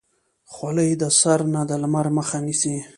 خولۍ د سر نه د لمر مخه نیسي.